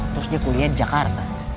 terus dia kuliah di jakarta